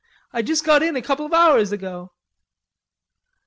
I just got in a couple of hours ago...."